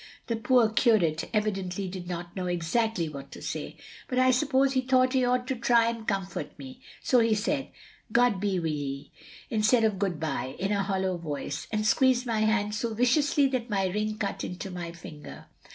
The poor curate evidently did not know exactly what to say^ but I suppose he thought he ought to try and comfort me, so he said 'God be wV ye,' instead of good bye, in a hollow voice; and squeezed my hand so viciously that my ring cut into my finger.